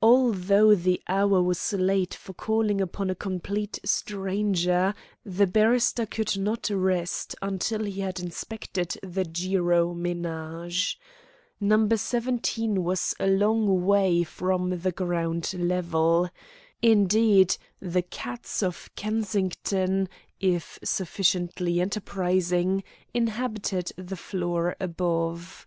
Although the hour was late for calling upon a complete stranger, the barrister could not rest until he had inspected the Jiro ménage. No. 17 was a long way from the ground level. Indeed, the cats of Kensington, if sufficiently enterprising, inhabitated the floor above.